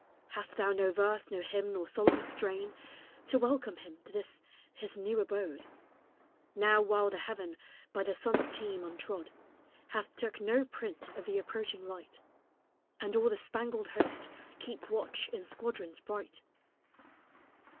Hast thou no verse, no hymn, or solemn strain, To welcome Him to this His new abode Now while the heaven, by the sun's team untrod, Hath took no print of the approaching light, And all the spangled host keep watch in squadrons bright?